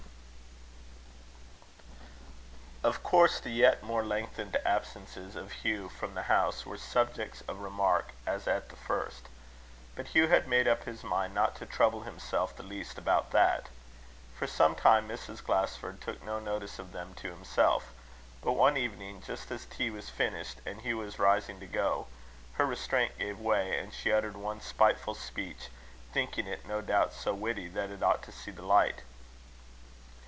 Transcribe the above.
Of course, the yet more lengthened absences of Hugh from the house were subjects of remark as at the first; but Hugh had made up his mind not to trouble himself the least about that. For some time Mrs. Glasford took no notice of them to himself; but one evening, just as tea was finished, and Hugh was rising to go, her restraint gave way, and she uttered one spiteful speech, thinking it, no doubt, so witty that it ought to see the light.